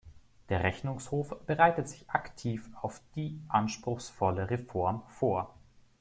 Der Rechnungshof bereitet sich aktiv auf die anspruchsvolle Reform vor.